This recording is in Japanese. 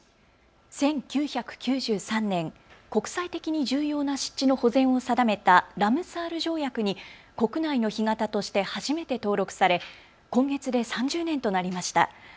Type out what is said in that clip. １９９３年、国際的に重要な湿地の保全を定めたラムサール条約に国内の干潟として初めて登録され今月で３０年となりました。